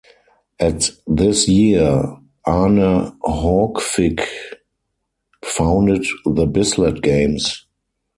At this year Arne Haukvik founded the Bislett Games.